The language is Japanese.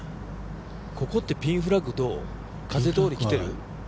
ここってピンフラッグどう？風どおりきてる？